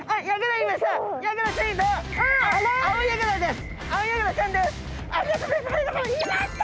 いました！